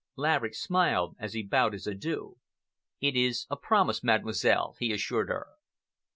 Laverick smiled as he bowed his adieux. "It is a promise, Mademoiselle," he assured her.